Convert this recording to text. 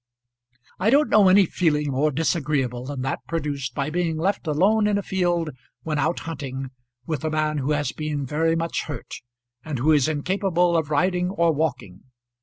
I don't know any feeling more disagreeable than that produced by being left alone in a field, when out hunting, with a man who has been very much hurt and who is incapable of riding or walking.